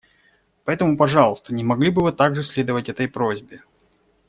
Поэтому, пожалуйста, не могли бы Вы также следовать этой просьбе?